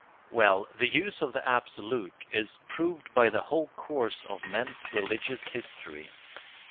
Well, the use of the Absolute is proved by the whole course of men's religious history.